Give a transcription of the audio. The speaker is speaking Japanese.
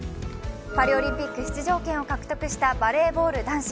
パリオリンピック出場権を獲得したバレーボール男子。